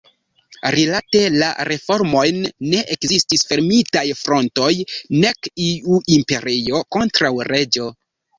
Rilate la reformojn ne ekzistis fermitaj frontoj nek iu „imperio kontraŭ reĝo“.